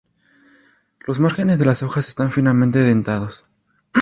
Los márgenes de las hojas están finamente dentados.